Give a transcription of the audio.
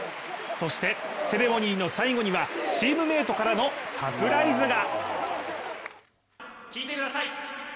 そしてセレモニーの最後にはチームメートからのサプライズが。